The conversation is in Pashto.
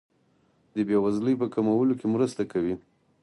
د بیوزلۍ په کمولو کې مرسته کوي.